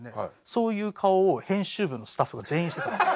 そういう顔を編集部のスタッフが全員してたんです。